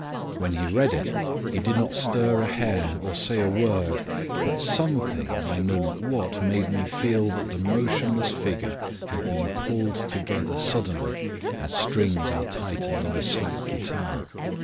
When he read it he did not stir a hair or say a word, but something, I know not what, made me feel that the motionless figure had been pulled together suddenly as strings are tightened on a slack guitar.